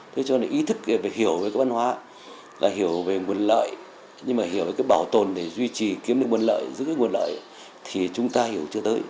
thế cho nên ý thức hiểu về văn hóa hiểu về nguồn lợi nhưng mà hiểu về bảo tồn để duy trì kiếm được nguồn lợi giữ được nguồn lợi thì chúng ta hiểu chưa tới